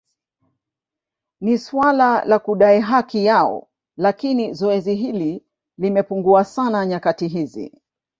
Ni suala la kudai haki yao lakini zoezi hili limepungua sana nyakati hizi